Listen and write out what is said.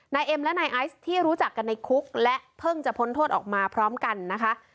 นายเอ็มและนายไอซ์ที่รู้จักกันในคุกและเพิ่งจะพ้นโทษออกมาพร้อมกันนะคะ